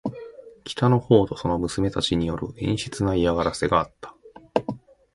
北の方とその娘たちによる陰湿な嫌がらせがあった。